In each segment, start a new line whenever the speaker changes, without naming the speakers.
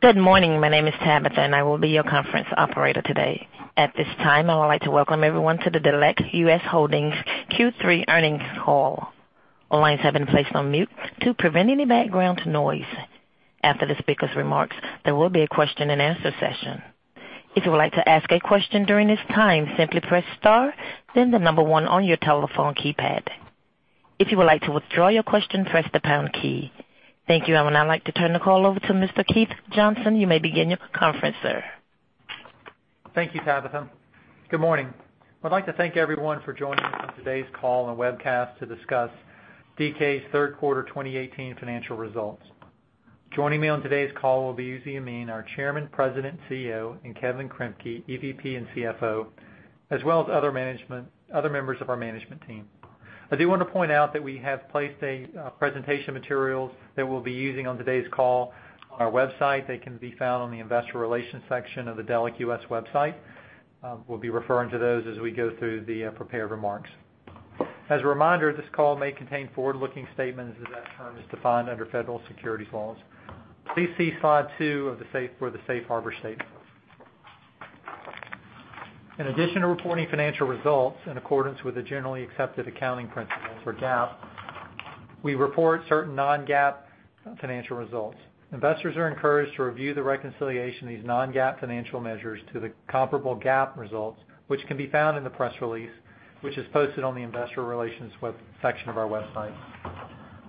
Good morning. My name is Tabitha, and I will be your conference operator today. At this time, I would like to welcome everyone to the Delek US Holdings Q3 earnings call. All lines have been placed on mute to prevent any background noise. After the speaker's remarks, there will be a question and answer session. If you would like to ask a question during this time, simply press star, then the number one on your telephone keypad. If you would like to withdraw your question, press the pound key. Thank you. I would now like to turn the call over to Mr. Keith Stanley. You may begin your conference, sir.
Thank you, Tabitha. Good morning. I'd like to thank everyone for joining us on today's call and webcast to discuss DK's third quarter 2018 financial results. Joining me on today's call will be Uzi Yemin, our Chairman, President, CEO, and Kevin Kremke, EVP, and CFO, as well as other members of our management team. I do want to point out that we have placed presentation materials that we'll be using on today's call on our website. They can be found on the investor relations section of the Delek US website. We'll be referring to those as we go through the prepared remarks. As a reminder, this call may contain forward-looking statements as that term is defined under federal securities laws. Please see Slide two for the safe harbor statement. In addition to reporting financial results in accordance with the generally accepted accounting principles for GAAP, we report certain non-GAAP financial results. Investors are encouraged to review the reconciliation of these non-GAAP financial measures to the comparable GAAP results, which can be found in the press release, which is posted on the investor relations section of our website.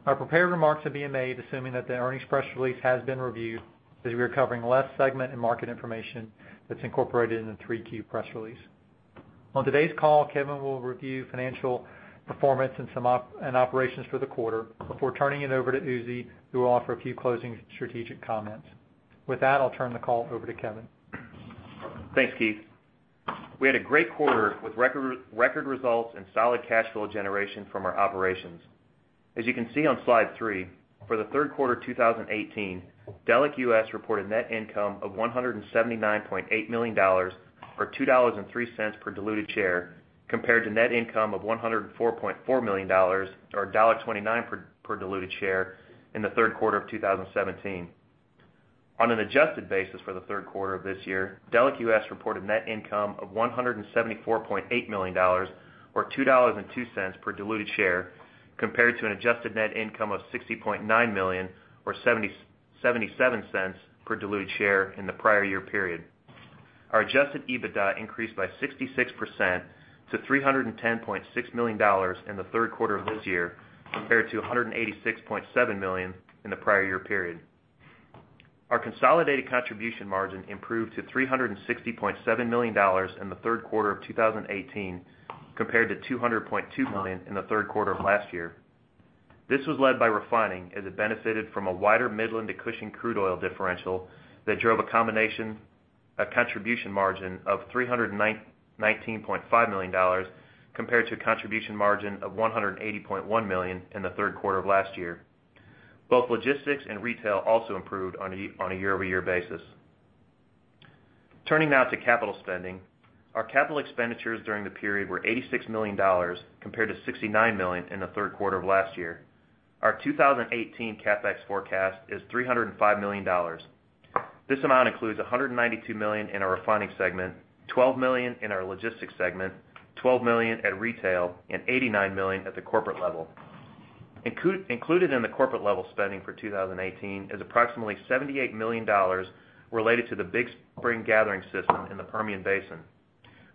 Our prepared remarks are being made assuming that the earnings press release has been reviewed, as we are covering less segment and market information that's incorporated in the 3Q press release. On today's call, Kevin will review financial performance and operations for the quarter before turning it over to Uzi, who will offer a few closing strategic comments. With that, I'll turn the call over to Kevin.
Thanks, Keith. We had a great quarter with record results and solid cash flow generation from our operations. As you can see on Slide three, for the third quarter 2018, Delek US reported net income of $179.8 million, or $2.03 per diluted share, compared to net income of $104.4 million, or $1.29 per diluted share in the third quarter of 2017. On an adjusted basis for the third quarter of this year, Delek US reported net income of $174.8 million, or $2.02 per diluted share, compared to an adjusted net income of $60.9 million or $0.77 per diluted share in the prior year period. Our adjusted EBITDA increased by 66% to $310.6 million in the third quarter of this year compared to $186.7 million in the prior year period. Our consolidated contribution margin improved to $360.7 million in the third quarter of 2018, compared to $200.2 million in the third quarter of last year. This was led by refining as it benefited from a wider Midland to Cushing crude oil differential that drove a contribution margin of $319.5 million compared to a contribution margin of $180.1 million in the third quarter of last year. Both logistics and retail also improved on a year-over-year basis. Turning now to capital spending. Our capital expenditures during the period were $86 million compared to $69 million in the third quarter of last year. Our 2018 CapEx forecast is $305 million. This amount includes $192 million in our refining segment, $12 million in our logistics segment, $12 million at retail, and $89 million at the corporate level. Included in the corporate level spending for 2018 is approximately $78 million related to the Big Spring gathering system in the Permian Basin.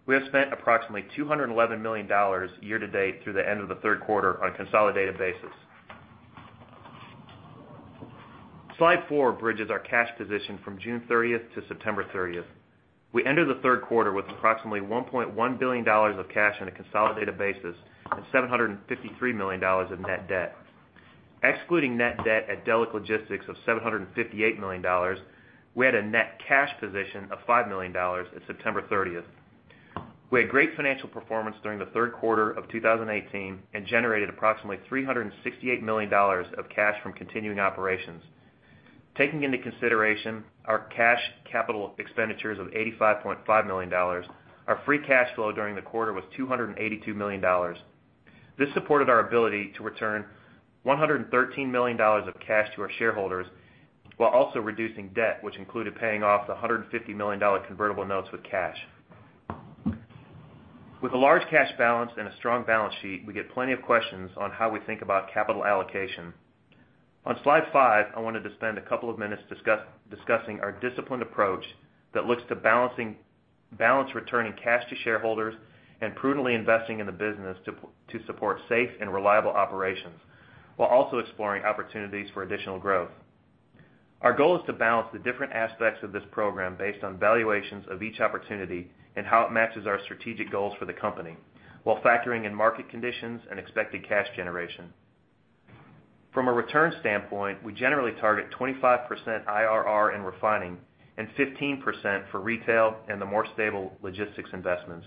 We have spent approximately $211 million year-to-date through the end of the third quarter on a consolidated basis. Slide Four bridges our cash position from June 30th to September 30th. We entered the third quarter with approximately $1.1 billion of cash on a consolidated basis and $753 million of net debt. Excluding net debt at Delek Logistics of $758 million, we had a net cash position of $5 million at September 30th. We had great financial performance during the third quarter of 2018 and generated approximately $368 million of cash from continuing operations. Taking into consideration our cash capital expenditures of $85.5 million, our free cash flow during the quarter was $282 million. This supported our ability to return $113 million of cash to our shareholders while also reducing debt, which included paying off the $150 million convertible notes with cash. With a large cash balance and a strong balance sheet, we get plenty of questions on how we think about capital allocation. On Slide Five, I wanted to spend a couple of minutes discussing our disciplined approach that looks to balance returning cash to shareholders and prudently investing in the business to support safe and reliable operations, while also exploring opportunities for additional growth. Our goal is to balance the different aspects of this program based on valuations of each opportunity and how it matches our strategic goals for the company while factoring in market conditions and expected cash generation. From a return standpoint, we generally target 25% IRR in refining and 15% for retail and the more stable logistics investments.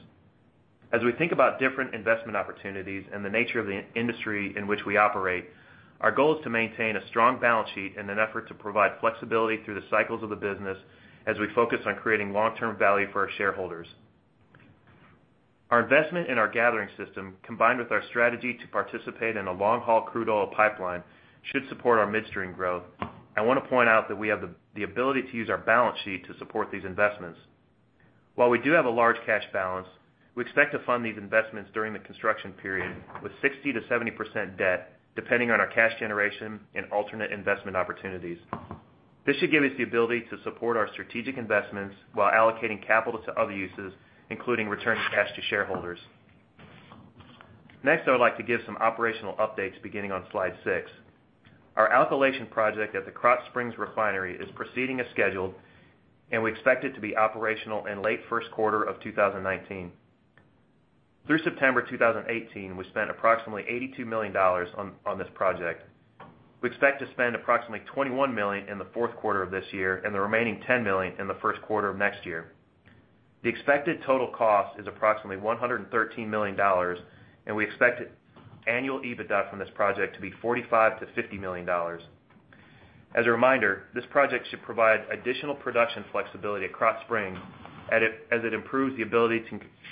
As we think about different investment opportunities and the nature of the industry in which we operate, our goal is to maintain a strong balance sheet in an effort to provide flexibility through the cycles of the business as we focus on creating long-term value for our shareholders. Our investment in our gathering system, combined with our strategy to participate in a long-haul crude oil pipeline, should support our midstream growth. I want to point out that we have the ability to use our balance sheet to support these investments. While we do have a large cash balance, we expect to fund these investments during the construction period with 60%-70% debt, depending on our cash generation and alternate investment opportunities. This should give us the ability to support our strategic investments while allocating capital to other uses, including returning cash to shareholders. Next, I would like to give some operational updates beginning on slide six. Our alkylation project at the Krotz Springs refinery is proceeding as scheduled, and we expect it to be operational in late first quarter of 2019. Through September 2018, we spent approximately $82 million on this project. We expect to spend approximately $21 million in the fourth quarter of this year and the remaining $10 million in the first quarter of next year. The expected total cost is approximately $113 million, and we expect annual EBITDA from this project to be $45 million-$50 million. As a reminder, this project should provide additional production flexibility at Krotz Springs as it improves the ability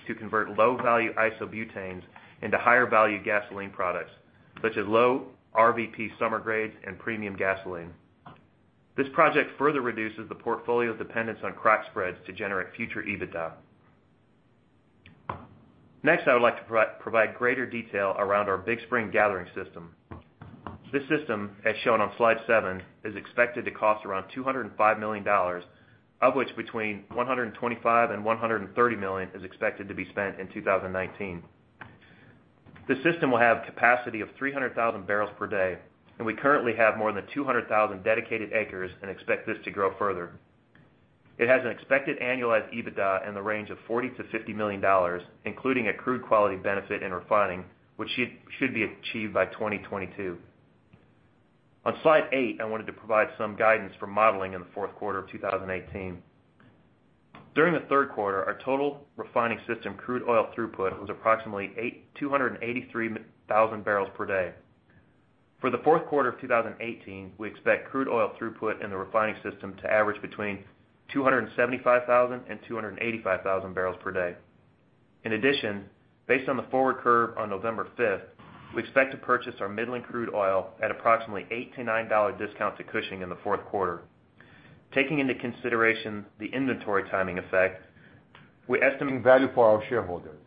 to convert low-value isobutanes into higher-value gasoline products, such as low RVP summer grades and premium gasoline. This project further reduces the portfolio's dependence on crack spreads to generate future EBITDA. Next, I would like to provide greater detail around our Big Spring gathering system. This system, as shown on slide seven, is expected to cost around $205 million, of which between $125 million and $130 million is expected to be spent in 2019. The system will have a capacity of 300,000 barrels per day, and we currently have more than 200,000 dedicated acres and expect this to grow further. It has an expected annualized EBITDA in the range of $40 million to $50 million, including a crude quality benefit in refining, which should be achieved by 2022. On slide eight, I wanted to provide some guidance for modeling in the fourth quarter of 2018. During the third quarter, our total refining system crude oil throughput was approximately 283,000 barrels per day. For the fourth quarter of 2018, we expect crude oil throughput in the refining system to average between 275,000 and 285,000 barrels per day. In addition, based on the forward curve on November 5th, we expect to purchase our Midland crude oil at approximately $8-$9 discount to Cushing in the fourth quarter. Taking into consideration the inventory timing effect.
We're estimating value for our shareholders.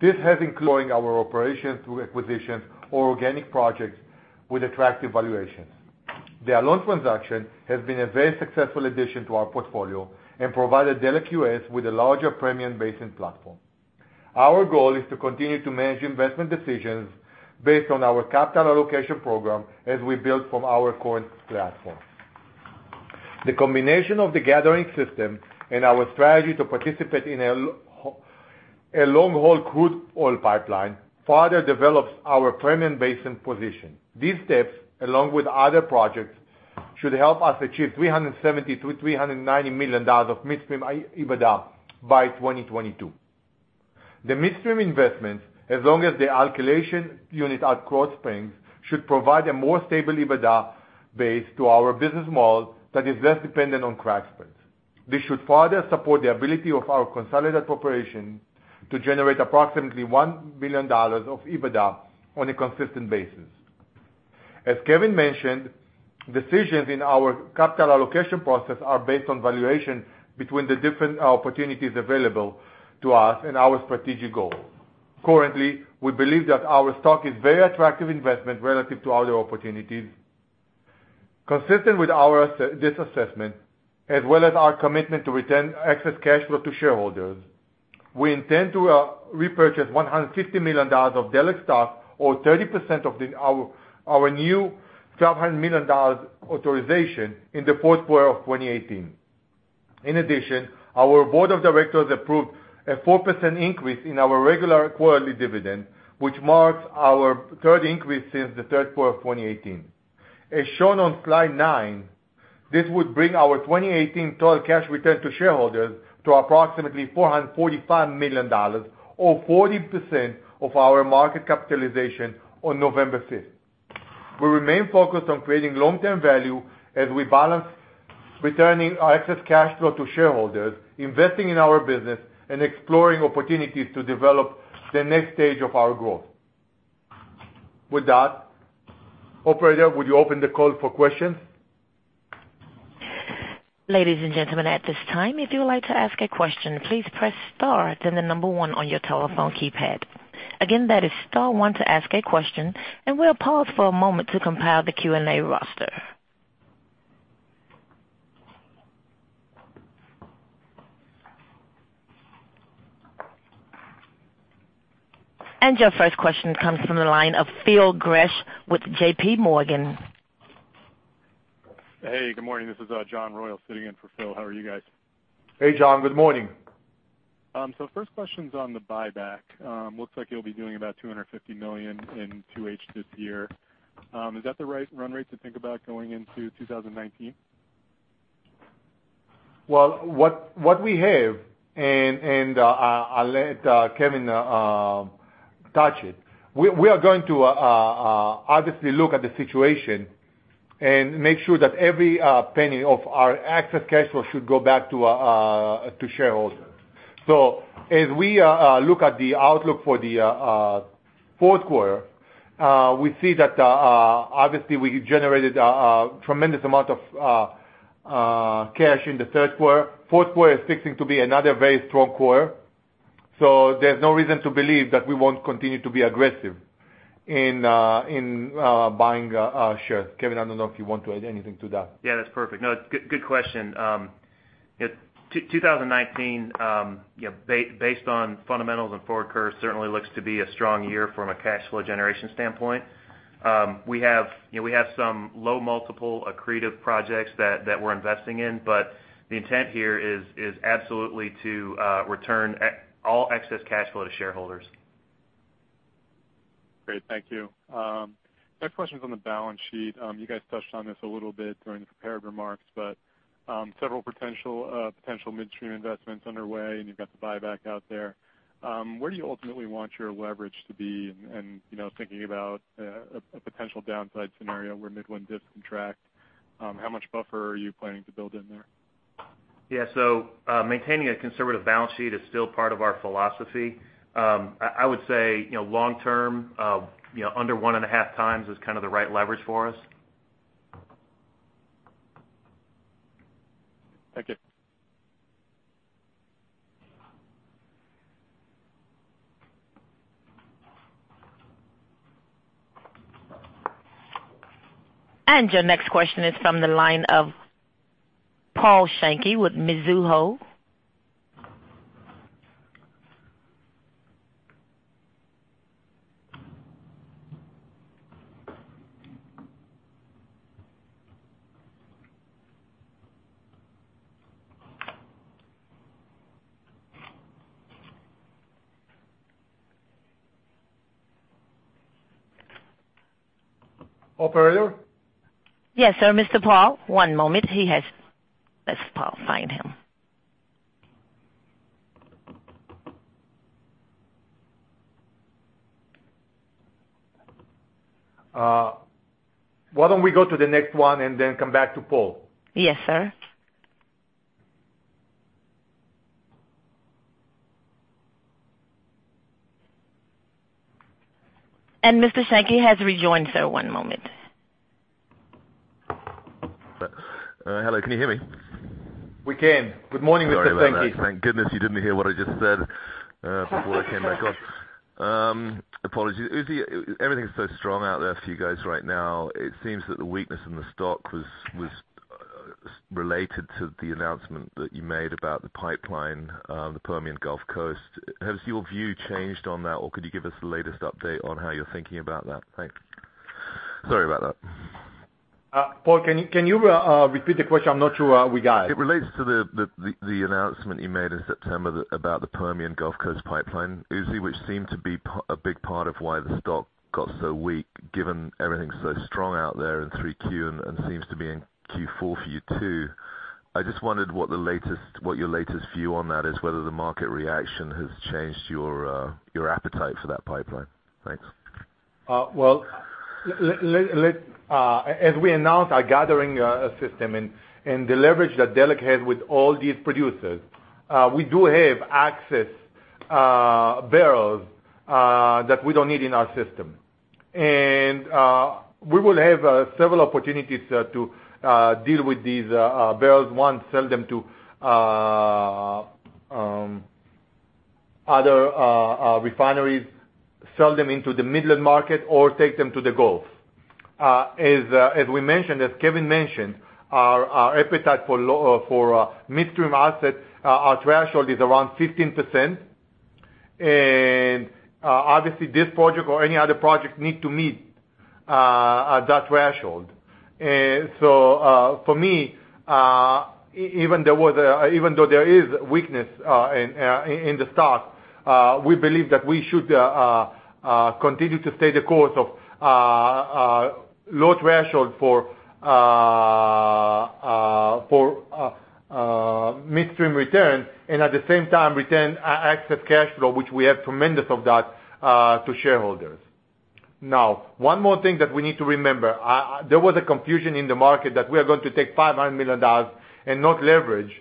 This has including our operations through acquisitions or organic projects with attractive valuations. The Alon transaction has been a very successful addition to our portfolio and provided Delek US with a larger Permian Basin platform. Our goal is to continue to manage investment decisions based on our capital allocation program as we build from our current platform. The combination of the gathering system and our strategy to participate in a long-haul crude oil pipeline further develops our Permian Basin position. These steps, along with other projects, should help us achieve $370 million to $390 million of midstream EBITDA by 2022. The midstream investments, as long as the alkylation unit at Krotz Springs, should provide a more stable EBITDA base to our business model that is less dependent on crack spreads. This should further support the ability of our consolidated operation to generate approximately $1 billion of EBITDA on a consistent basis. As Kevin Kremke mentioned, decisions in our capital allocation process are based on valuation between the different opportunities available to us and our strategic goal. Currently, we believe that our stock is very attractive investment relative to other opportunities. Consistent with this assessment, as well as our commitment to return excess cash flow to shareholders, we intend to repurchase $150 million of Delek stock or 30% of our new $1,200 million authorization in the fourth quarter of 2018. In addition, our board of directors approved a 4% increase in our regular quarterly dividend, which marks our third increase since the third quarter of 2018. As shown on slide nine, this would bring our 2018 total cash return to shareholders to approximately $445 million or 40% of our market capitalization on November 5th. We remain focused on creating long-term value as we balance returning our excess cash flow to shareholders, investing in our business, and exploring opportunities to develop the next stage of our growth. With that, operator, would you open the call for questions?
Ladies and gentlemen, at this time, if you would like to ask a question, please press star, then the number one on your telephone keypad. Again, that is star one to ask a question, and we'll pause for a moment to compile the Q&A roster. Your first question comes from the line of Phil Gresh with JPMorgan.
Hey, good morning. This is John Royall sitting in for Phil. How are you guys?
Hey, John. Good morning.
First question's on the buyback. Looks like you'll be doing about $250 million in 2H this year. Is that the right run rate to think about going into 2019?
Well, what we have, and I'll let Kevin touch it. We are going to obviously look at the situation and make sure that every penny of our excess cash flow should go back to shareholders. As we look at the outlook for the fourth quarter, we see that obviously we generated a tremendous amount of cash in the third quarter. Fourth quarter is fixing to be another very strong quarter. There's no reason to believe that we won't continue to be aggressive in buying shares. Kevin, I don't know if you want to add anything to that.
Yeah, that's perfect. No, it's a good question. 2019, based on fundamentals and forward curves, certainly looks to be a strong year from a cash flow generation standpoint. We have some low multiple accretive projects that we're investing in, but the intent here is absolutely to return all excess cash flow to shareholders.
Great, thank you. Next question is on the balance sheet. You guys touched on this a little bit during the prepared remarks, several potential midstream investments underway, and you've got the buyback out there. Where do you ultimately want your leverage to be? Thinking about a potential downside scenario where Midland discounts. How much buffer are you planning to build in there?
Yeah. Maintaining a conservative balance sheet is still part of our philosophy. I would say, long term, under 1.5 times is kind of the right leverage for us.
Thank you.
Your next question is from the line of Paul Sankey with Mizuho.
Paul, are you here?
Yes, sir. Mr. Paul, one moment. Let's find him.
Why don't we go to the next one and then come back to Paul?
Yes, sir. Mr. Sankey has rejoined, sir. One moment.
Hello, can you hear me?
We can. Good morning, Mr. Sankey.
Sorry about that. Thank goodness you didn't hear what I just said before I came back on. Apologies. Uzi, everything's so strong out there for you guys right now. It seems that the weakness in the stock was related to the announcement that you made about the pipeline, the Permian Gulf Coast. Has your view changed on that, or could you give us the latest update on how you're thinking about that? Thanks. Sorry about that.
Paul, can you repeat the question? I'm not sure we got it.
It relates to the announcement you made in September about the Permian Gulf Coast pipeline, Uzi, which seemed to be a big part of why the stock got so weak, given everything's so strong out there in Q3, and seems to be in Q4 for you, too. I just wondered what your latest view on that is, whether the market reaction has changed your appetite for that pipeline. Thanks.
Well, as we announced our gathering system, the leverage that Delek has with all these producers, we do have excess barrels that we don't need in our system. We will have several opportunities to deal with these barrels. One, sell them to other refineries, sell them into the Midland market, or take them to the Gulf. As Kevin mentioned, our appetite for midstream assets, our threshold is around 15%. Obviously this project or any other project need to meet that threshold. For me, even though there is weakness in the stock, we believe that we should continue to stay the course of low threshold for midstream return, and at the same time return excess cash flow, which we have tremendous of that, to shareholders. One more thing that we need to remember. There was a confusion in the market that we are going to take $500 million and not leverage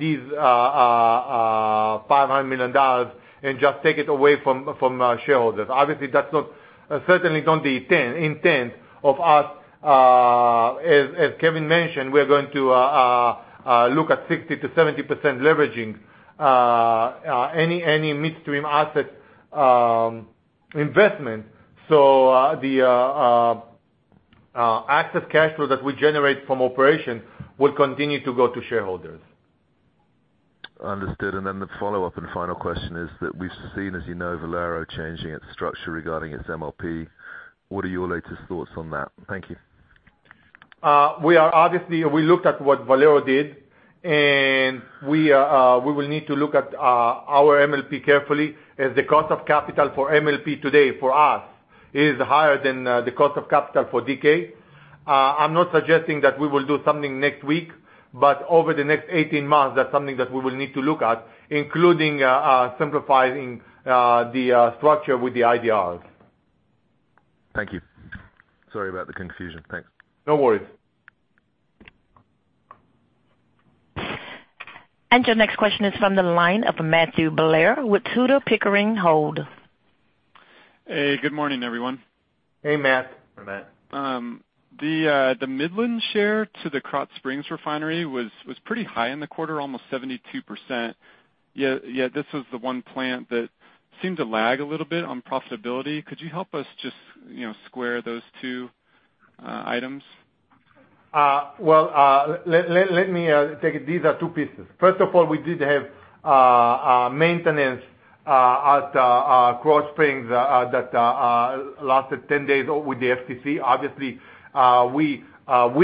these $500 million and just take it away from shareholders. Obviously, certainly don't intend of us. As Kevin mentioned, we're going to look at 60%-70% leveraging any midstream asset investment. The excess cash flow that we generate from operation will continue to go to shareholders.
Understood. The follow-up and final question is that we've seen, as you know, Valero changing its structure regarding its MLP. What are your latest thoughts on that? Thank you.
Obviously, we looked at what Valero did, and we will need to look at our MLP carefully, as the cost of capital for MLP today for us is higher than the cost of capital for DK. I'm not suggesting that we will do something next week. Over the next 18 months, that's something that we will need to look at, including simplifying the structure with the IDRs.
Thank you. Sorry about the confusion. Thanks.
No worries.
Your next question is from the line of Matthew Blair with Tudor, Pickering, Holt.
Hey, good morning, everyone.
Hey, Matt.
Hey, Matt.
The Midland share to the Krotz Springs refinery was pretty high in the quarter, almost 72%. Yet this was the one plant that seemed to lag a little bit on profitability. Could you help us just square those two items?
These are two pieces. First of all, we did have maintenance at Krotz Springs that lasted 10 days with the FCC. Obviously, we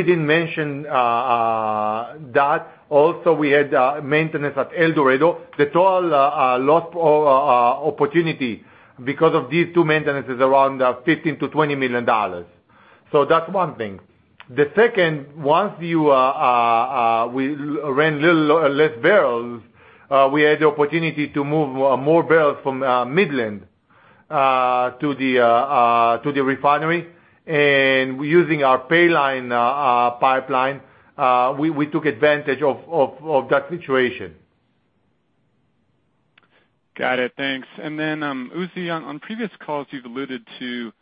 didn't mention that. Also, we had maintenance at El Dorado. The total lost opportunity because of these two maintenances is around $15 million-$20 million. That's one thing. The second, once we ran less barrels, we had the opportunity to move more barrels from Midland to the refinery. Using our Paline Pipeline, we took advantage of that situation.
Got it. Thanks. Then, Uzi, on previous calls you've alluded to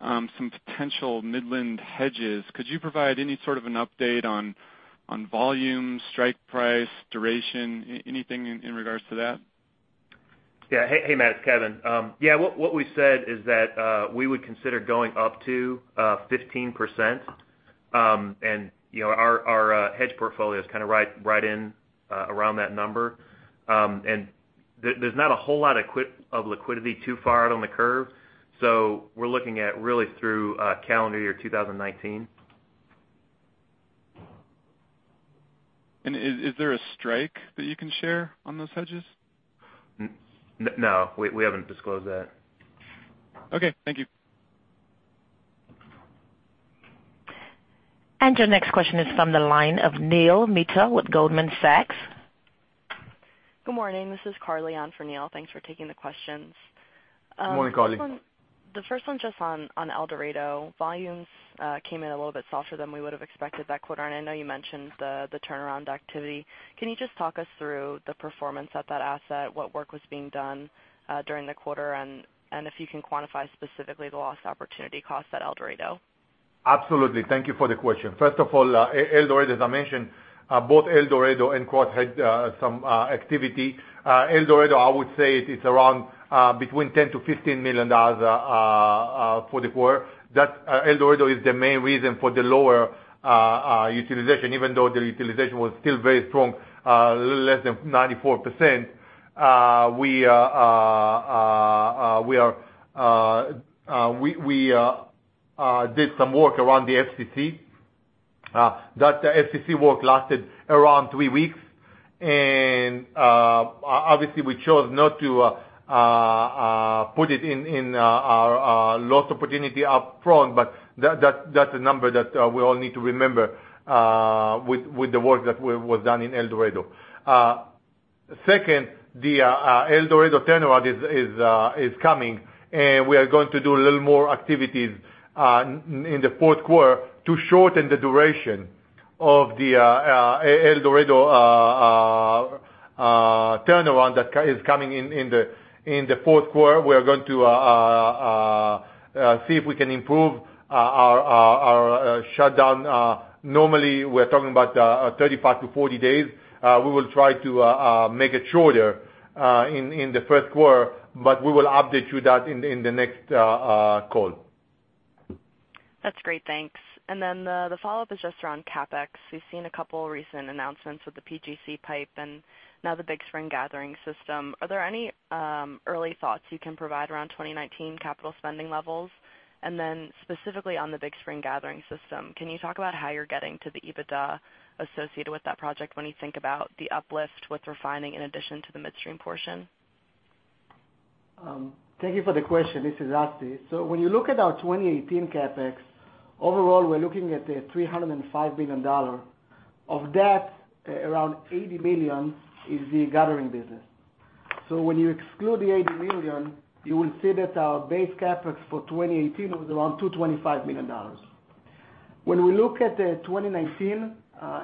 some potential Midland hedges. Could you provide any sort of an update on volume, strike price, duration, anything in regards to that?
Hey, Matt, it's Kevin. What we said is that we would consider going up to 15%. Our hedge portfolio is right in around that number. There's not a whole lot of liquidity too far out on the curve. We're looking at really through calendar year 2019.
Is there a strike that you can share on those hedges?
No, we haven't disclosed that.
Okay, thank you.
Your next question is from the line of Neil Mehta with Goldman Sachs.
Good morning, this is Carly on for Neil. Thanks for taking the questions.
Good morning, Carly.
The first one just on El Dorado. Volumes came in a little bit softer than we would've expected that quarter. I know you mentioned the turnaround activity. Can you just talk us through the performance at that asset, what work was being done during the quarter and if you can quantify specifically the lost opportunity cost at El Dorado?
Absolutely. Thank you for the question. First of all El Dorado, as I mentioned, both El Dorado and Krotz Springs had some activity. El Dorado, I would say it's around between $10 million-$15 million for the quarter. El Dorado is the main reason for the lower utilization, even though the utilization was still very strong, a little less than 94%. We did some work around the FCC. That FCC work lasted around three weeks. Obviously we chose not to put it in our lost opportunity up front, but that's a number that we all need to remember with the work that was done in El Dorado. Second, the El Dorado turnaround is coming. We are going to do a little more activities in the fourth quarter to shorten the duration of the El Dorado turnaround that is coming in the fourth quarter. We're going to see if we can improve our shutdown. Normally, we're talking about 35-40 days. We will try to make it shorter in the first quarter. We will update you that in the next call.
The follow-up is just around CapEx. We've seen a couple recent announcements with the PGC pipe and now the Big Spring gathering system. Are there any early thoughts you can provide around 2019 capital spending levels? Specifically on the Big Spring gathering system, can you talk about how you're getting to the EBITDA associated with that project when you think about the uplift with refining in addition to the midstream portion?
Thank you for the question. This is Assi. When you look at our 2018 CapEx, overall we're looking at $305 million. Of that, around $80 million is the gathering business. When you exclude the $80 million, you will see that our base CapEx for 2018 was around $225 million. When we look at 2019,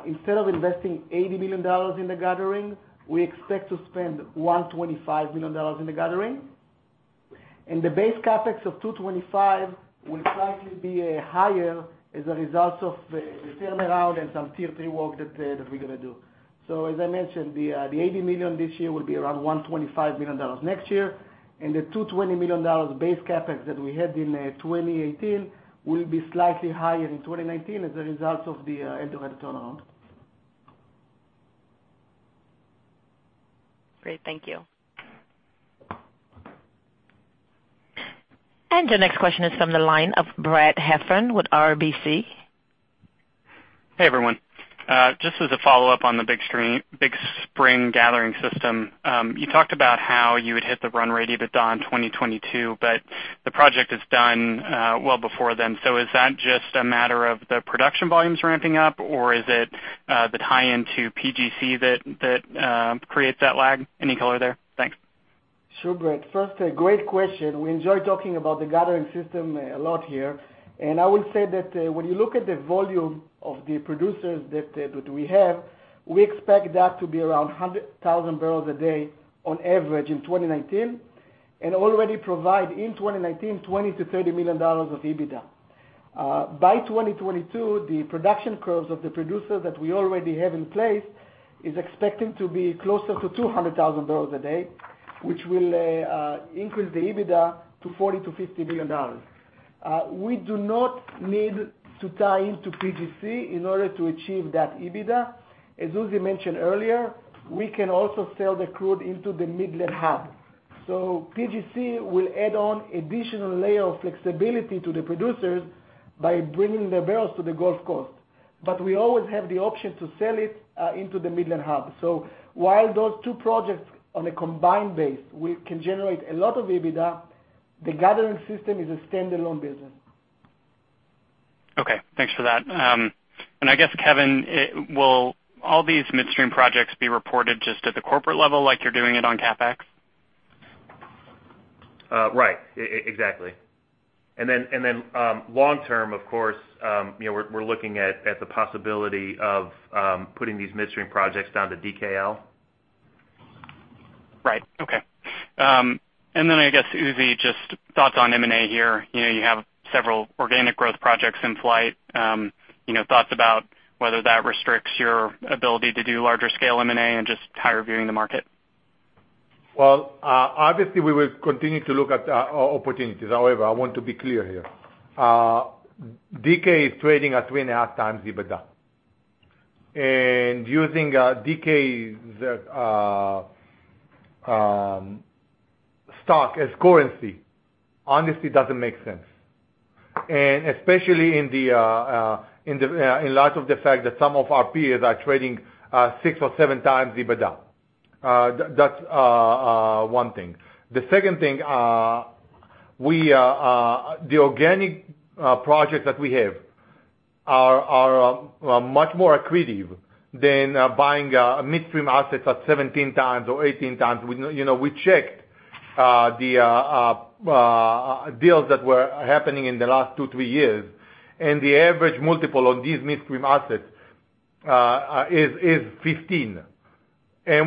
instead of investing $80 million in the gathering, we expect to spend $125 million in the gathering. The base CapEx of $225 million will likely be higher as a result of the turnaround and some Tier 3 work that we're going to do. As I mentioned, the $80 million this year will be around $125 million next year. The $220 million base CapEx that we had in 2018 will be slightly higher in 2019 as a result of the El Dorado turnaround.
Great. Thank you.
The next question is from the line of Brad Heffern with RBC.
Hey, everyone. Just as a follow-up on the Big Spring gathering system. You talked about how you would hit the run rate EBITDA in 2022, but the project is done well before then. Is that just a matter of the production volumes ramping up, or is it the tie-in to PGC that creates that lag? Any color there? Thanks.
Sure, Brad. First, great question. We enjoy talking about the gathering system a lot here. I would say that when you look at the volume of the producers that we have, we expect that to be around 100,000 barrels a day on average in 2019, and already provide in 2019, $20 million to $30 million of EBITDA. By 2022, the production curves of the producers that we already have in place is expected to be closer to 200,000 barrels a day, which will increase the EBITDA to $40 million to $50 million. We do not need to tie into PGC in order to achieve that EBITDA. As Uzi mentioned earlier, we can also sell the crude into the Midland hub. PGC will add on additional layer of flexibility to the producers by bringing the barrels to the Gulf Coast. We always have the option to sell it into the Midland hub. While those two projects on a combined base can generate a lot of EBITDA, the gathering system is a standalone business.
Okay, thanks for that. I guess, Kevin, will all these midstream projects be reported just at the corporate level like you're doing it on CapEx?
Right. Exactly. Long term, of course, we're looking at the possibility of putting these midstream projects down to DKL.
Right. Okay. I guess, Uzi, just thoughts on M&A here. You have several organic growth projects in flight. Thoughts about whether that restricts your ability to do larger scale M&A and just how you're viewing the market.
Well, obviously we will continue to look at opportunities. However, I want to be clear here. DK is trading at three and a half times EBITDA. Using DK's stock as currency, honestly doesn't make sense. Especially in light of the fact that some of our peers are trading six or seven times EBITDA. That's one thing. The second thing, the organic projects that we have are much more accretive than buying midstream assets at 17 times or 18 times. We checked the deals that were happening in the last two, three years, and the average multiple on these midstream assets is 15.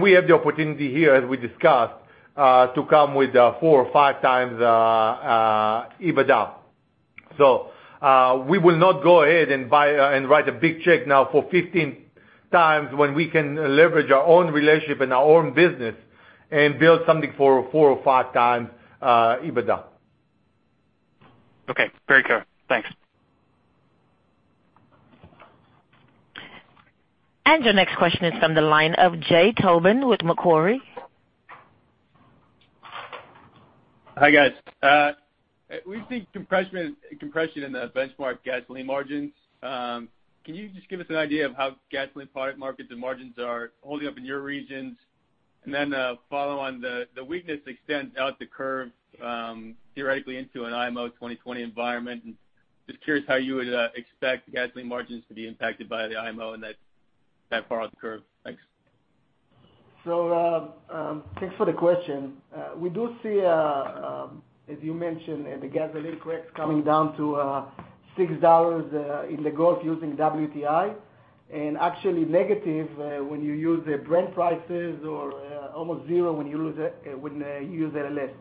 We have the opportunity here, as we discussed, to come with four or five times EBITDA. We will not go ahead and write a big check now for 15 times when we can leverage our own relationship and our own business and build something for four or five times EBITDA.
Okay. Very clear. Thanks.
Your next question is from the line of Jay Tobin with Macquarie.
Hi, guys. We see compression in the benchmark gasoline margins. Can you just give us an idea of how gasoline product markets and margins are holding up in your regions? Then follow on the weakness extent out the curve theoretically into an IMO 2020 environment, and just curious how you would expect gasoline margins to be impacted by the IMO and that far out the curve. Thanks.
Thanks for the question. We do see, as you mentioned, the gasoline cracks coming down to $6 in the Gulf using WTI, and actually negative when you use Brent prices or almost zero when you use LLS.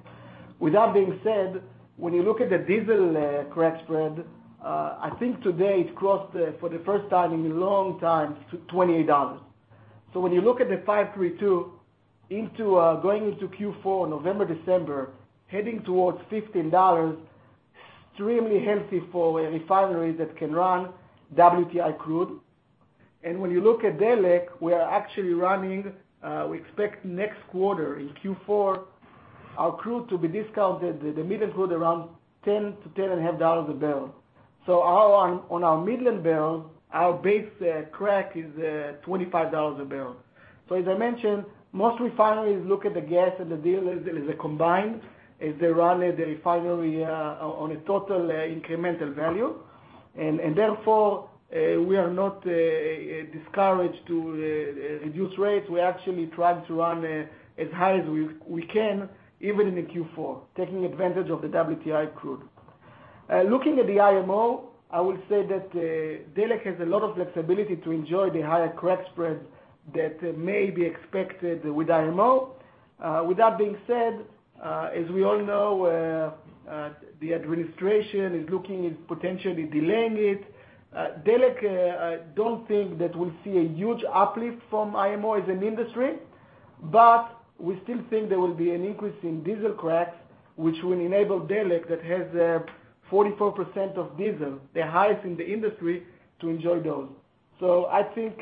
With that being said, when you look at the diesel crack spread, I think today it crossed for the first time in a long time, $28. When you look at the 5-3-2 going into Q4, November, December, heading towards $15, extremely healthy for a refinery that can run WTI crude. When you look at Delek, we are actually running, we expect next quarter in Q4, our crude to be discounted, the Midland crude around $10 to $10.5 a barrel. On our Midland barrel, our base crack is $25 a barrel. As I mentioned, most refineries look at the gas and the diesel as a combined, as they run the refinery on a total incremental value. Therefore, we are not discouraged to reduce rates. We actually try to run as high as we can, even in the Q4, taking advantage of the WTI crude. Looking at the IMO, I would say that Delek has a lot of flexibility to enjoy the higher crack spread that may be expected with IMO. With that being said, as we all know, the administration is looking at potentially delaying it. Delek, I don't think that we'll see a huge uplift from IMO as an industry, but we still think there will be an increase in diesel cracks, which will enable Delek that has 44% of diesel, the highest in the industry, to enjoy those. I think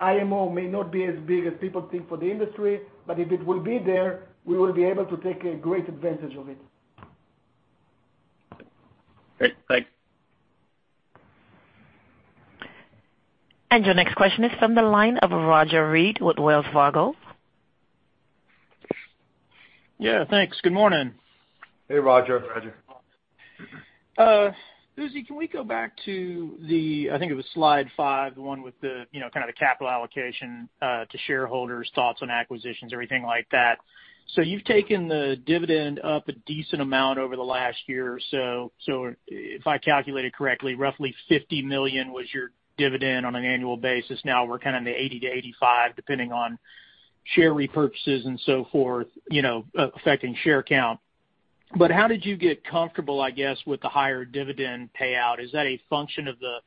IMO may not be as big as people think for the industry, but if it will be there, we will be able to take a great advantage of it.
Great. Thanks.
Your next question is from the line of Roger Read with Wells Fargo.
Yeah, thanks. Good morning.
Hey, Roger.
Uzi, can we go back to the, I think it was slide five, the one with the capital allocation to shareholders, thoughts on acquisitions, everything like that. You've taken the dividend up a decent amount over the last year or so. If I calculated correctly, roughly $50 million was your dividend on an annual basis. Now we're kind of in the $80-$85, depending on share repurchases and so forth, affecting share count. How did you get comfortable, I guess, with the higher dividend payout? Is that a function of the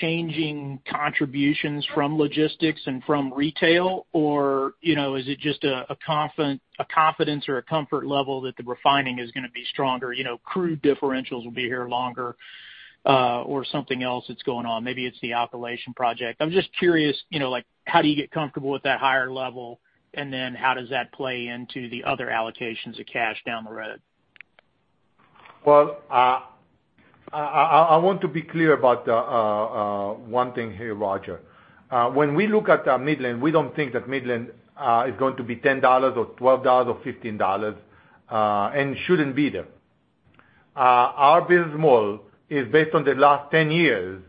changing contributions from logistics and from retail? Is it just a confidence or a comfort level that the refining is going to be stronger, crude differentials will be here longer, or something else that's going on? Maybe it's the alkylation project. I'm just curious, how do you get comfortable with that higher level, how does that play into the other allocations of cash down the road?
Well, I want to be clear about one thing here, Roger. When we look at Midland, we don't think that Midland is going to be $10 or $12 or $15, and shouldn't be there. Our business model is based on the last 10 years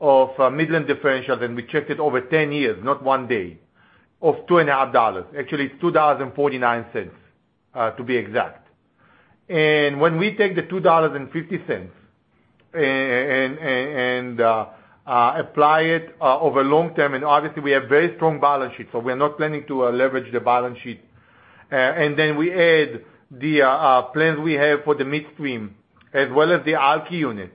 of Midland differentials, and we checked it over 10 years, not one day, of $2.50. Actually, it's $2.49, to be exact. When we take the $2.50 and apply it over long-term, obviously we have very strong balance sheet, we're not planning to leverage the balance sheet. Then we add the plans we have for the midstream, as well as the Alky unit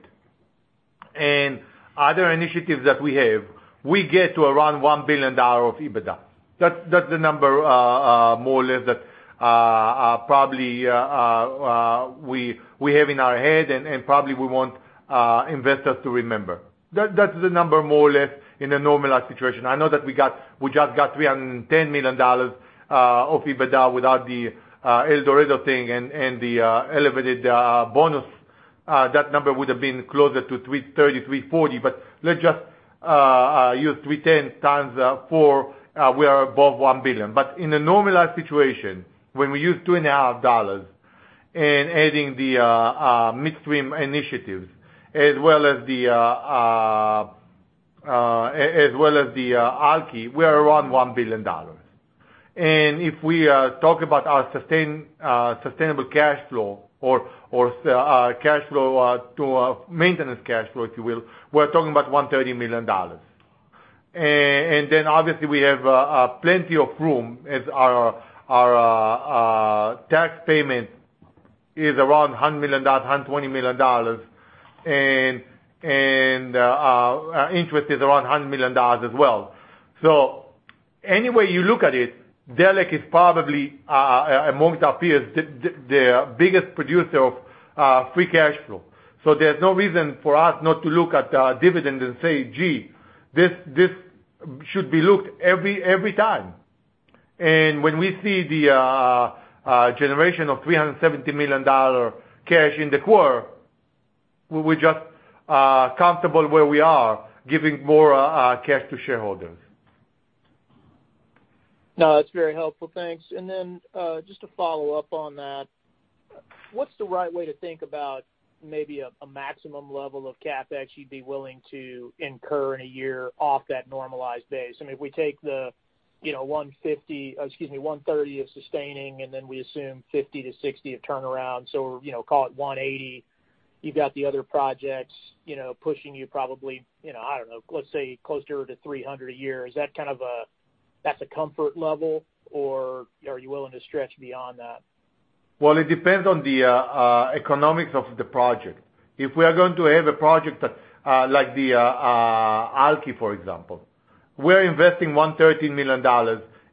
and other initiatives that we have, we get to around $1 billion of EBITDA. That's the number more or less that probably we have in our head and, probably, we want investors to remember. That's the number more or less in a normalized situation. I know that we just got $310 million of EBITDA without the El Dorado thing and the elevated bonus. That number would have been closer to 330, 340, but let's just use 310 times 4. We are above $1 billion. In a normalized situation, when we use $2.50 and adding the midstream initiatives as well as the Alky, we are around $1 billion. If we talk about our sustainable cash flow or maintenance cash flow, if you will, we're talking about $130 million. Then obviously we have plenty of room as our tax payment is around $100 million, $120 million, and our interest is around $100 million as well. Any way you look at it, Delek is probably amongst our peers, the biggest producer of free cash flow. There's no reason for us not to look at dividend and say, "Gee, this should be looked every time." When we see the generation of $370 million cash in the quarter, we're just comfortable where we are giving more cash to shareholders.
No, that's very helpful. Thanks. Just to follow up on that, what's the right way to think about maybe a maximum level of CapEx you'd be willing to incur in a year off that normalized base? I mean, if we take the 130 of sustaining, then we assume 50 to 60 of turnaround, call it 180. You've got the other projects pushing you probably, I don't know, let's say closer to 300 a year. Is that a comfort level or are you willing to stretch beyond that?
It depends on the economics of the project. If we are going to have a project like the Alky, for example. We're investing $130 million,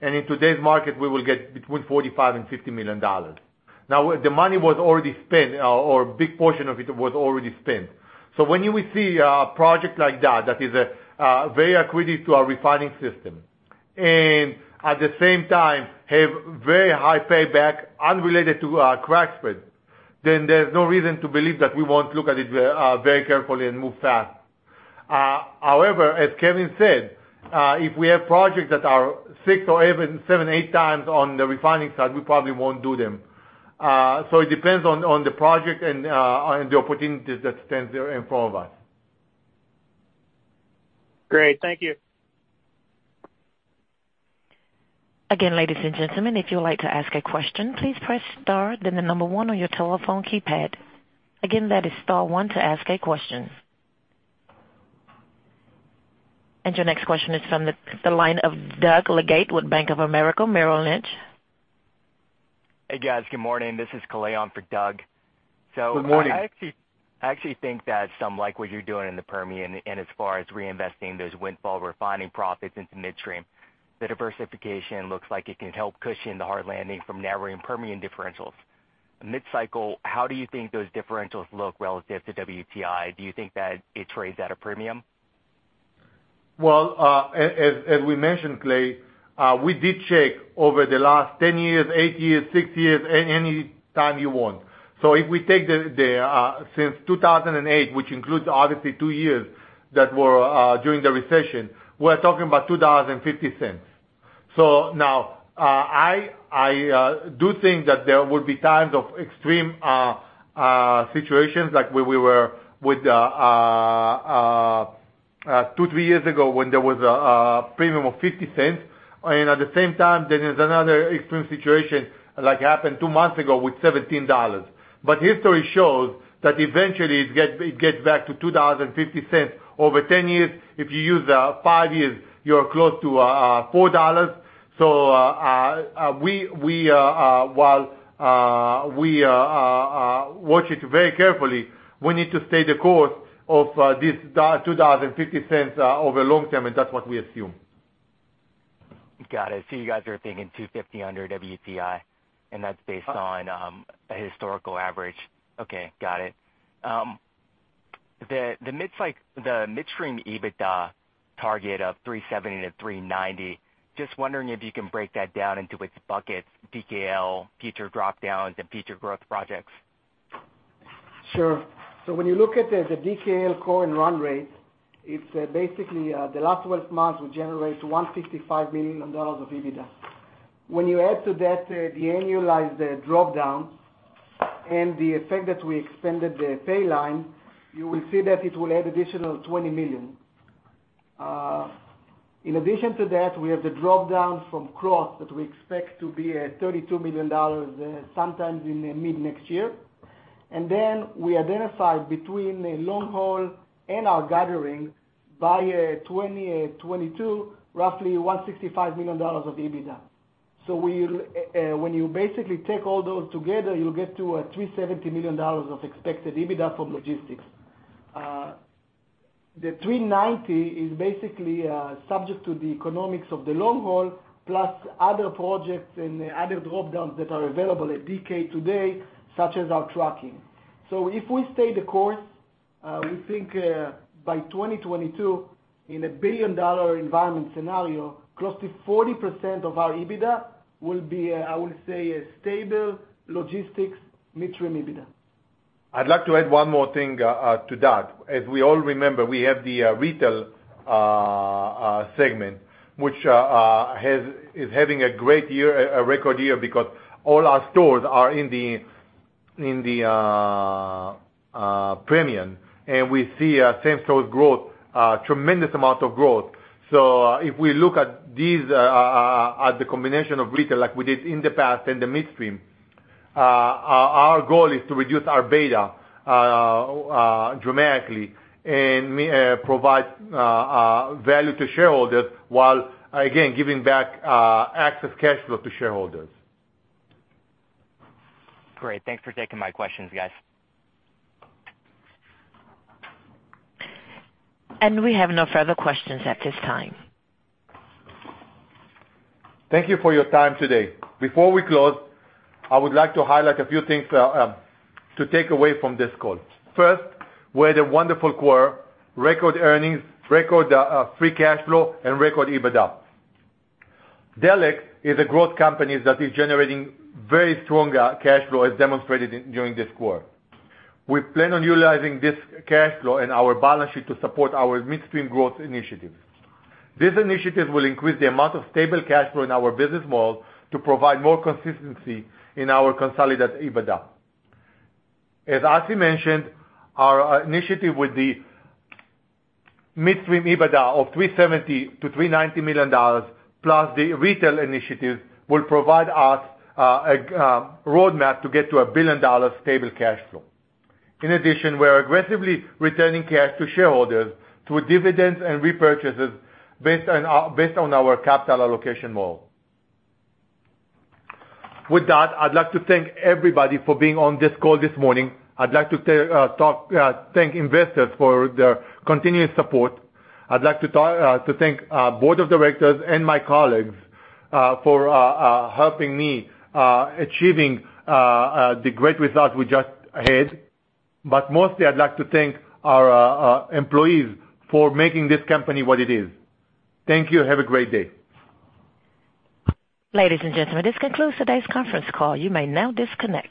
in today's market, we will get between $45 and $50 million. The money was already spent, or a big portion of it was already spent. When we see a project like that is very accretive to our refining system, and at the same time have very high payback unrelated to crack spread, there's no reason to believe that we won't look at it very carefully and move fast. As Kevin said, if we have projects that are six or even seven, eight times on the refining side, we probably won't do them. It depends on the project and the opportunities that stands there in front of us.
Great. Thank you.
Ladies and gentlemen, if you would like to ask a question, please press star then the number 1 on your telephone keypad. Again, that is star 1 to ask a question. Your next question is from the line of Doug Leggate with Bank of America Merrill Lynch.
Hey, guys. Good morning. This is Kalei for Doug.
Good morning.
I actually think that some like what you're doing in the Permian and as far as reinvesting those windfall refining profits into midstream. The diversification looks like it can help cushion the hard landing from narrowing Permian differentials. Mid-cycle, how do you think those differentials look relative to WTI? Do you think that it trades at a premium?
As we mentioned, Kalei, we did check over the last 10 years, 8 years, 6 years, any time you want. If we take since 2008, which includes obviously two years that were during the recession, we're talking about $2.50. Now, I do think that there will be times of extreme situations like where we were two, three years ago when there was a premium of $0.50, and at the same time, there is another extreme situation like happened two months ago with $17. History shows that eventually it gets back to $2.50. Over 10 years, if you use five years, you are close to $4. While we watch it very carefully, we need to stay the course of this $2.50 over long term, and that's what we assume.
Got it. You guys are thinking $2.50 under WTI, and that's based on a historical average. Okay. Got it. The midstream EBITDA target of $370-$390, just wondering if you can break that down into its buckets, DKL, future drop-downs, and future growth projects.
Sure. When you look at the DKL core and run rate, it's basically the last 12 months we generate $155 million of EBITDA. When you add to that the annualized drop-down and the effect that we expanded the Paline Pipeline, you will see that it will add additional $20 million. In addition to that, we have the drop-down from Krotz that we expect to be at $32 million sometimes in mid-next year. We identified between the long haul and our gathering by 2022, roughly $165 million of EBITDA. When you basically take all those together, you'll get to $370 million of expected EBITDA from logistics. The 390 is basically subject to the economics of the long haul plus other projects and other drop-downs that are available at DKL today, such as our trucking. If we stay the course, we think by 2022, in a billion-dollar environment scenario, close to 40% of our EBITDA will be, I would say, a stable logistics midstream EBITDA.
I'd like to add one more thing to that. As we all remember, we have the retail segment, which is having a great year, a record year, because all our stores are in the premium, and we see same-store growth, tremendous amount of growth. If we look at these as the combination of retail like we did in the past and the midstream, our goal is to reduce our beta dramatically and provide value to shareholders while, again, giving back excess cash flow to shareholders.
Great. Thanks for taking my questions, guys.
We have no further questions at this time.
Thank you for your time today. Before we close, I would like to highlight a few things to take away from this call. First, we had a wonderful quarter, record earnings, record free cash flow, and record EBITDA. Delek is a growth company that is generating very strong cash flow, as demonstrated during this quarter. We plan on utilizing this cash flow and our balance sheet to support our midstream growth initiatives. These initiatives will increase the amount of stable cash flow in our business model to provide more consistency in our consolidated EBITDA. As Assi mentioned, our initiative with the midstream EBITDA of $370 million-$390 million, plus the retail initiatives, will provide us a roadmap to get to a billion-dollar stable cash flow. In addition, we're aggressively returning cash to shareholders through dividends and repurchases based on our capital allocation model. With that, I'd like to thank everybody for being on this call this morning. I'd like to thank investors for their continuous support. I'd like to thank Board of Directors and my colleagues for helping me achieving the great results we just had. Mostly, I'd like to thank our employees for making this company what it is. Thank you. Have a great day.
Ladies and gentlemen, this concludes today's conference call. You may now disconnect.